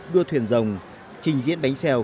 đua thuyền rồng trình diễn bánh xèo